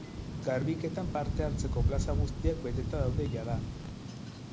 Garbiketan parte hartzeko plaza guztiak beteta daude jada.